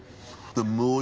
でも。